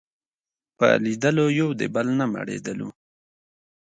په لیدلو یو د بل نه مړېدلو